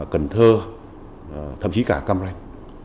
bình thơ thậm chí cả cam ranh